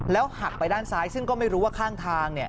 หักไปด้านซ้ายซึ่งก็ไม่รู้ว่าข้างทาง